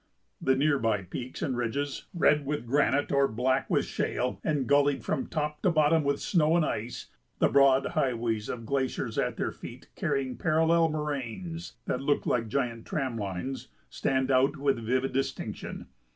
The near by peaks and ridges, red with granite or black with shale and gullied from top to bottom with snow and ice, the broad highways of the glaciers at their feet carrying parallel moraines that look like giant tram lines, stand out with vivid distinction.